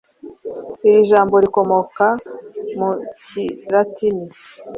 Iri jambo rikomoka mu kilatini